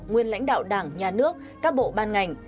nguyên lãnh đạo đảng nhà nước các bộ ban ngành